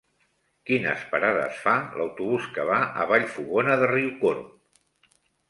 Quines parades fa l'autobús que va a Vallfogona de Riucorb?